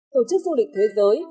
tổ chức du lịch thế giới